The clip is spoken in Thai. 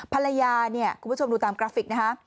ภรรยาเนี่ยคุณผู้ชมดูตามกราฟิกนะคะ